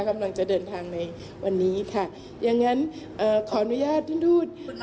กำลังจะเดินทางในวันนี้ค่ะอย่างงั้นเอ่อขออนุญาตท่านทูต